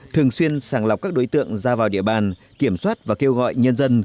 thường xuyên sàng lọc các đối tượng ra vào địa bàn kiểm soát và kêu gọi nhân dân